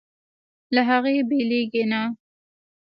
له هغې بېلېږي نه.